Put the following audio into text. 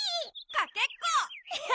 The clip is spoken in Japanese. かけっこ！